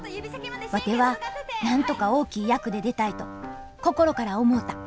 ワテはなんとか大きい役で出たいと心から思うた！